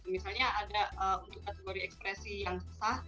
misalnya ada untuk kategori ekspresi yang sah